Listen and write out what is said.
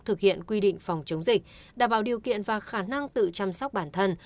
thực hiện quy định phòng chống dịch đảm bảo điều kiện và khả năng tự chăm sóc bản thân